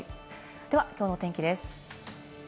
ではきょうの天気です。